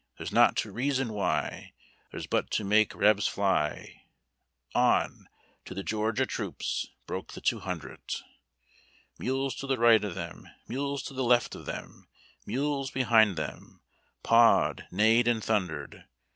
Theirs not to reason why. Theirs but to make Rebs fly. On ! to the Georgia troops Broke the two hundred. Mules to the right of them, Mules to the left of them, Mules behind them Pawed, neighed, and tluuidered.